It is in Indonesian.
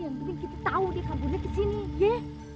yang penting kita tahu dia kaburnya ke sini ye